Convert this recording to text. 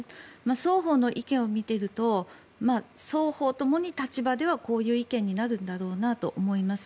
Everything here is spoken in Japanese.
双方の意見を見ていると双方ともに立場ではこういう意見になるんだろうなと思います。